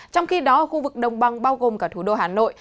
trong khi đó khu vực đông băng bao gồm cả thủ đô hà nội